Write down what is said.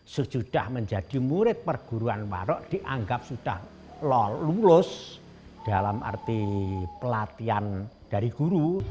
sesudah menjadi murid perguruan warok dianggap sudah lulus dalam arti pelatihan dari guru